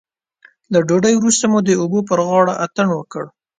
له ډوډۍ وروسته مو د اوبو پر غاړه اتڼ وکړ.